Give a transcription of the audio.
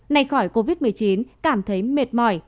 nay khỏi covid một mươi chín cảm thấy mệt mỏi